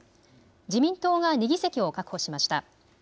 自民党が２議席を確保しました。